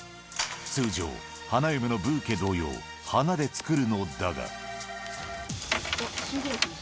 通常、花嫁のブーケ同様、花で作るのだが。